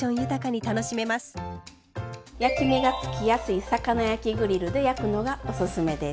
焼き目がつきやすい魚焼きグリルで焼くのがおすすめです！